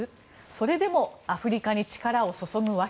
それでもアフリカに力を注ぐ訳。